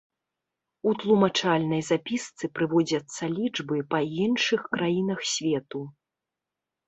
У тлумачальнай запісцы прыводзяцца лічбы па іншых краінах свету.